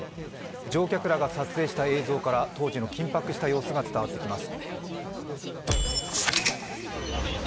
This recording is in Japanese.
乗客らが撮影した映像から当時の緊迫した様子が伝わってきます。